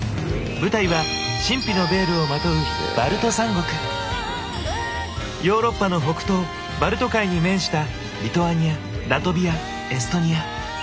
舞台は神秘のベールをまとうヨーロッパの北東バルト海に面したリトアニアラトビアエストニア。